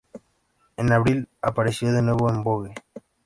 En abril apareció de nuevo en "Vogue".